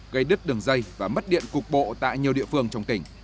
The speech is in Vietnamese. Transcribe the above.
gây đứt đường dây và mất điện cục bộ tại nhiều địa phương trong tỉnh